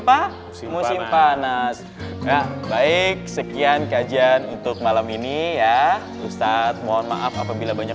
apa musim panas baik sekian kajian untuk malam ini ya ustadz mohon maaf apabila banyak